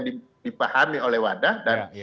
dipahami oleh wadah dan